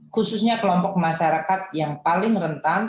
khususnya kelompok masyarakat yang paling rentan